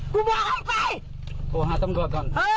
กูบอกให้มันไป